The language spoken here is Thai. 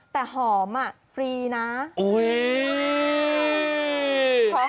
แต่หอมอ่ะฟรีนะอุ้ยเฮ้ย